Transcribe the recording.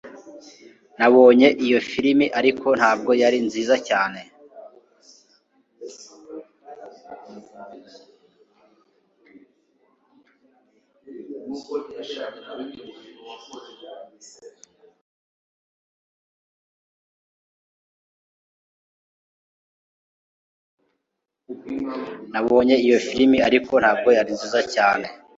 Nabonye iyo firime ariko ntabwo yari nziza cyane